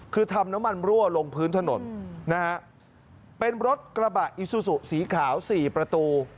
คือทำน้ำมันรั่วลงพื้นถนนนะฮะเป็นรถกระบะอิซูซูสีขาวสี่ประตู